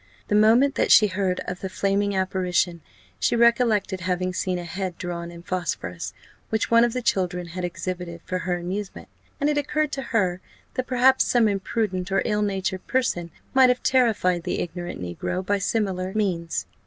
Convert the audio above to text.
The moment that she heard of the flaming apparition, she recollected having seen a head drawn in phosphorus, which one of the children had exhibited for her amusement, and it occurred to her that, perhaps, some imprudent or ill natured person might have terrified the ignorant negro by similar means.